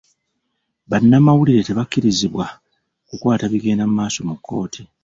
Banamawulire tebakkirizibwa kukwata bigenda maaso mu kooti.